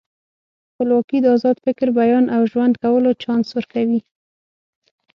خپلواکي د ازاد فکر، بیان او ژوند کولو چانس ورکوي.